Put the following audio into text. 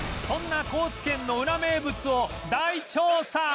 そんな高知県のウラ名物を大調査